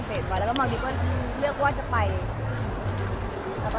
พี่เอ็มเค้าเป็นระบองโรงงานหรือเปลี่ยนไงครับ